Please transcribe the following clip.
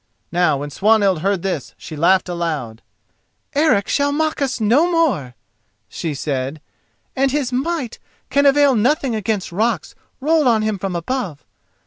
Now when Swanhild heard this she laughed aloud. "Eric shall mock us no more," she said, "and his might can avail nothing against rocks rolled on him from above.